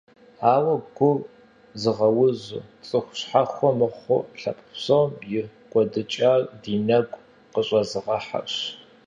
Ауэ гур зыгъэузыр, цӀыху щхьэхуэ мыхъуу, лъэпкъ псом и кӀуэдыжыкӀар ди нэгу къызэрыщӀигъэхьэрщ.